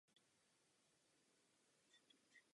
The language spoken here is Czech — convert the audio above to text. Má barevné možnosti uvedeny na obrázku.